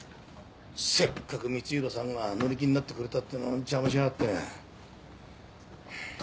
せっかく光洋さんが乗り気になってくれたっていうのに邪魔しやがって。